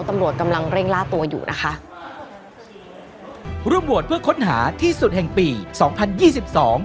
ตำรวจกำลังเร่งล่าตัวอยู่นะคะร่วมโหวตเพื่อค้นหาที่สุดแห่งปีสองพันยี่สิบสอง